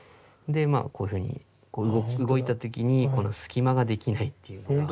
でまあこういうふうに動いた時に隙間ができないっていうか。